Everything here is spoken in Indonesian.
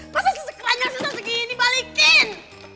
masa keranjang susah segini balikin